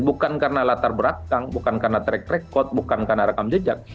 bukan karena latar belakang bukan karena track record bukan karena rekam jejak